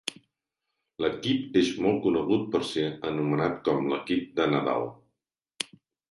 L'equip és molt conegut per ser anomenat com l'Equip de Nadal.